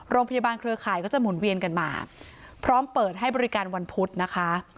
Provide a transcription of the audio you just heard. เครือข่ายก็จะหมุนเวียนกันมาพร้อมเปิดให้บริการวันพุธนะคะ